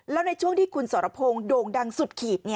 แล้วในช่วงที่คุณสรพงศ์โด่งดังสุดขีด